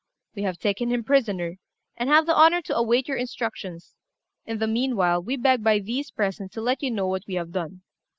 We have taken him prisoner, and have the honour to await your instructions; in the meanwhile, we beg by these present to let you know what we have done.